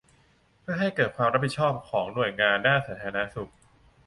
เพื่อให้เกิดความรับผิดชอบของหน่วยงานด้านสาธารณสุข